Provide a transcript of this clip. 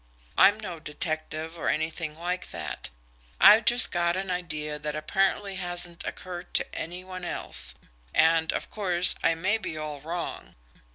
I'm no detective or anything like that. I've just got an idea that apparently hasn't occurred to any one else and, of course, I may be all wrong.